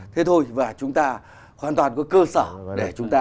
thế thôi và chúng ta hoàn toàn có cơ sở để chúng ta